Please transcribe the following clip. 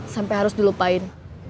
sampai harus dilupain